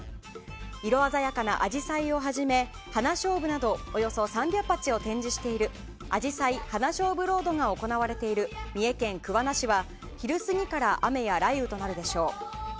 色鮮やかなあじさいをはじめ花しょうぶなどおよそ３００鉢を展示しているあじさい・花しょうぶロードが行われている三重県桑名市は昼過ぎから雨や雷雨となるでしょう。